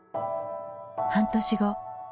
半年後。